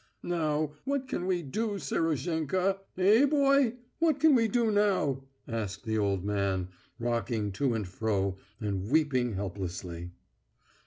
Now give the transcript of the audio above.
"Now, what can we do Serozhenka? Eh, boy? What can we do now?" asked the old man, rocking to and fro and weeping helplessly.